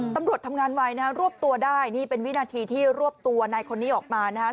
ตำรวจทำงานไวนะฮะรวบตัวได้นี่เป็นวินาทีที่รวบตัวนายคนนี้ออกมานะฮะ